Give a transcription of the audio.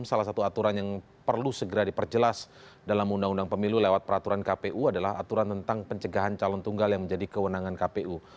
salah satu aturan yang perlu segera diperjelas dalam undang undang pemilu lewat peraturan kpu adalah aturan tentang pencegahan calon tunggal yang menjadi kewenangan kpu